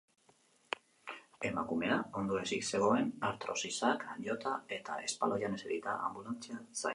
Emakumea ondoezik zegoen, artrosisak jota eta espaloian eserita, anbulantzia zain.